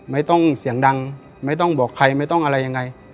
ไม่ต้องเสียงดังไม่ต้องบอกใครไม่ต้องอะไรยังไง